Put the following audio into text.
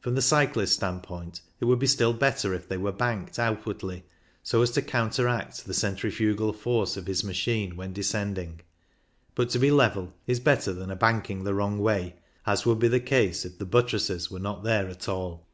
From the cyclist's standpoint, it would be still better if they were banked outwardly so as to counteract the centrifugal force of his machine when descending, but to be level is better than a " banking the wrong way," as would be the case if the buttresses were not there at all.